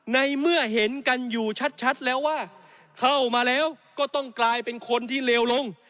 ในเมื่อเห็นกันอยู่ชัดแล้วว่าเข้ามาแล้วก็ต้องกลายเป็นคนที่เลวลง